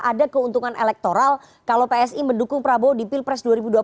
ada keuntungan elektoral kalau psi mendukung prabowo di pilpres dua ribu dua puluh empat